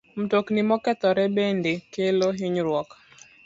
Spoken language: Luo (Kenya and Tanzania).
Mtokni mokethore bende kelo hinyruok.